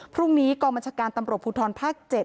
พรุ่งนี้กองบัญชาการตำรวจภูทรภาค๗